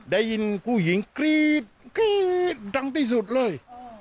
ได้ยินผู้หญิงกรีดเกรียดกันตังค์ที่สุดเลย